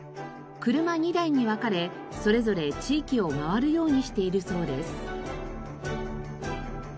車２台に分かれそれぞれ地域を回るようにしているそうです。